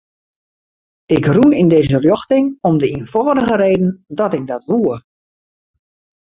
Ik rûn yn dizze rjochting om de ienfâldige reden dat ik dat woe.